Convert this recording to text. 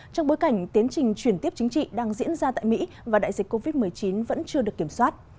trong bối cảnh tiến trình chuyển tiếp chính trị đang diễn ra tại mỹ và đại dịch covid một mươi chín vẫn chưa được kiểm soát